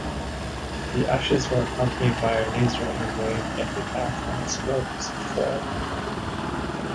The ashes were accompanied by a laser-engraved epitaph on a small piece of foil.